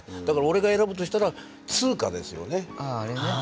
だから俺が選ぶとしたら通貨ですよね。